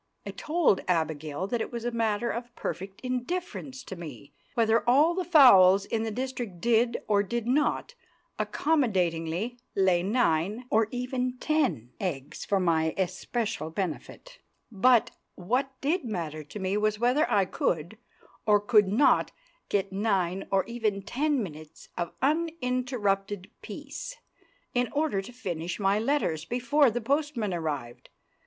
I told Abigail that it was a matter of perfect indifference to me whether all the fowls in the district did, or did not, accommodatingly lay nine, or even ten, eggs for my especial benefit; but what did matter to me was whether I could, or could not, get nine or even ten minutes of uninterrupted peace, in order to finish my letters before the postman arrived.